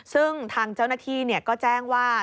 ซึ่งทางเจ้าหน้าที่ก็แจ้งว่า